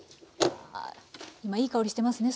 今いい香りしてますね